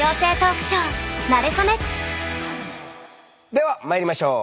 ではまいりましょう！